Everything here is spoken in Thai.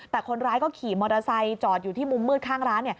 แต่คนร้ายก็ขี่มอเตอร์ไซค์จอดอยู่ที่มุมมืดข้างร้าน